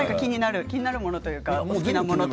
気になるものとかお好きなものは？